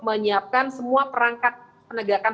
menyiapkan semua perangkat penegakan